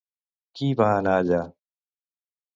Qui va anar allà?